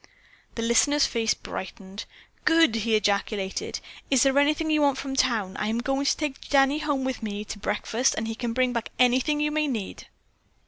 The listener's face brightened. "Good!" he ejaculated. "Is there anything you want from town? I am going to take Danny home with me to breakfast and he can bring back anything you may need."